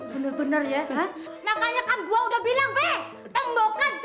bener bener ya makanya kan gua udah bilang